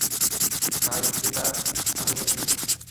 ভাই, এটা আমি দেখে নিব।